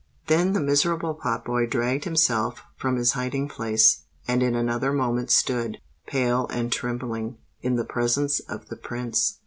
Then the miserable pot boy dragged himself from his hiding place, and in another moment stood, pale and trembling, in the presence of the Prince.